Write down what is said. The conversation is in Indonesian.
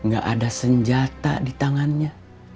gak ada senjata di tangannya